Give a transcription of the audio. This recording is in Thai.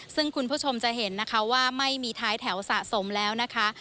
ซึ่งคุณผู้ชมจะเห็นนะคะว่าไม่มีท้ายแถวสะสมแล้วนะคะ